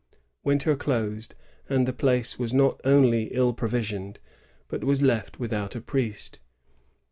Winter dosed, and the place was not only Hi provisioned, but was left without a priest.